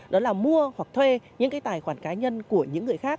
đó là mua hoặc thuê những cái tài khoản cá nhân của những người khác